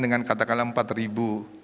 dengan katakanlah empat ribu